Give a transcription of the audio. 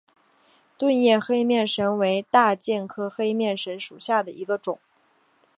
钝叶黑面神为大戟科黑面神属下的一个种。